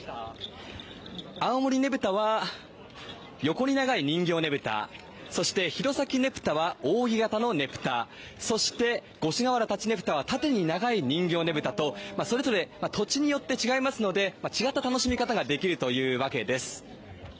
青森ねぶたは横に長い人形ねぶた、そして弘前ねぷたは扇形のねぷた、そして五所川原立佞武多は縦に長い人形ねぶたと、違った楽しみ方ができるというわけです。